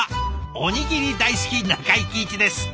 おにぎり大好き中井貴一です。